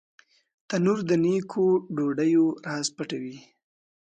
تنور د نیکو ډوډیو راز پټوي